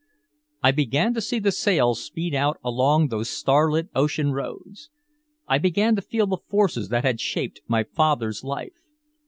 I began to see the sails speed out along those starlit ocean roads. I began to feel the forces that had shaped my father's life.